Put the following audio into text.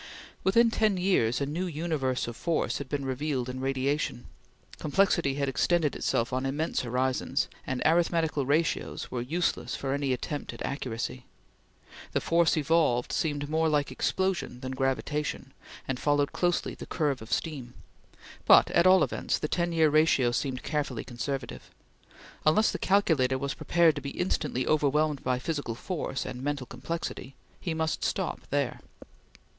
Within ten years a new universe of force had been revealed in radiation. Complexity had extended itself on immense horizons, and arithmetical ratios were useless for any attempt at accuracy. The force evolved seemed more like explosion than gravitation, and followed closely the curve of steam; but, at all events, the ten year ratio seemed carefully conservative. Unless the calculator was prepared to be instantly overwhelmed by physical force and mental complexity, he must stop there.